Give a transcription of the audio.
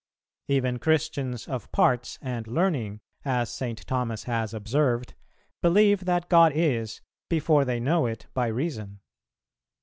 Even Christians of parts and learning, as St. Thomas has observed, believe that God is, before they know it by Reason.